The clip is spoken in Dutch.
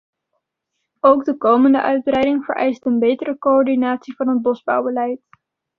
Ook de komende uitbreiding vereist een betere coördinatie van het bosbouwbeleid.